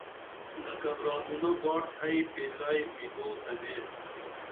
لکہ برادُنہ باٹ تھئی پیلائی وِگو تنے